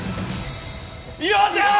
よっしゃー！